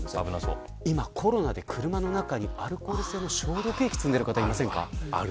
今は車内にアルコール消毒液を積んでいる方いませんか。